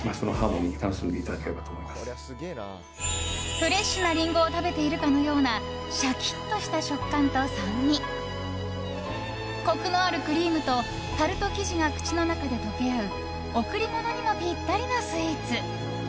フレッシュなリンゴを食べているかのようなシャキッとした食感と酸味コクのあるクリームとタルト生地が口の中で溶け合う贈り物にもぴったりなスイーツ。